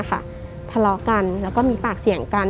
ทะเลาะกันแล้วก็มีปากเสียงกัน